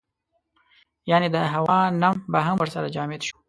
یعنې د هوا نم به هم ورسره جامد شو.